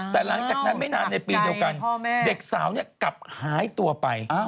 แต่หลังจากนั้นไม่นานในปีเดียวกันเด็กสาวกลับหายตัวไป